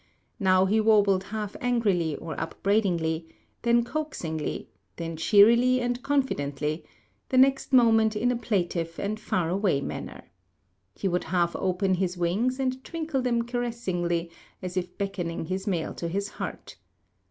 Now he warbled half angrily or upbraidingly; then coaxingly; then cheerily and confidently, the next moment in a plaintive and far away manner. He would half open his wings, and twinkle them caressingly as if beckoning his mate to his heart.